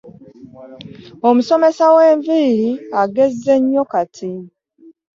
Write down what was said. Omusomesa w'enviiri agezze nnyo kati